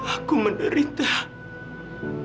aku menderita karena mataku sebelah mata